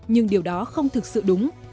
nhưng điều đó không thực sự đúng